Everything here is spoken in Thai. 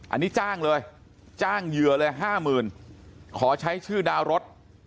อันนี้จ้างเลยจ้างเหยื่อเลยห้าหมื่นขอใช้ชื่อดาวรถ